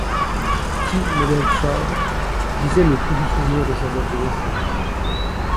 T-Model Ford disait ne plus se souvenir de sa date de naissance.